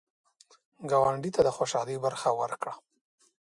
ګاونډي ته د خوشحالۍ برخه ورکړه